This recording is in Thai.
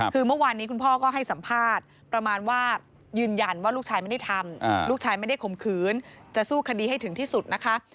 คือเมื่อวานนี้คุณพ่อก็ให้สัมภาษณ์ประมาณว่ายืนยันว่าลูกชายไม่ได้ทำลูกชายไม่ได้ข่มขืนจะสู้คดีให้ถึงที่สุดนะคะ